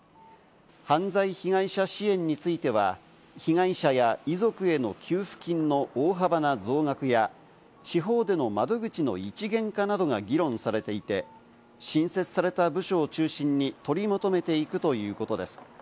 犯罪被害者支援については、被害者や遺族への給付金の大幅な増額や地方での窓口の一元化などが議論されていて、新設された部署を中心に取りまとめていくということです。